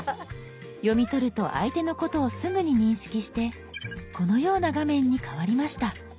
読み取ると相手のことをすぐに認識してこのような画面に変わりました。